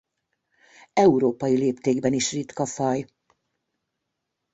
Európai léptékben is ritka faj.